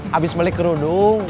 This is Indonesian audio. habis balik ke rudung